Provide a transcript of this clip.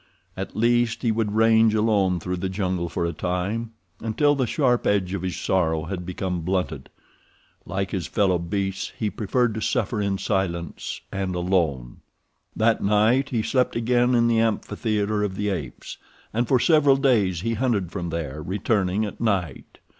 At least he would range alone through the jungle for a time, until the sharp edge of his sorrow had become blunted. Like his fellow beasts, he preferred to suffer in silence and alone. That night he slept again in the amphitheater of the apes, and for several days he hunted from there, returning at night.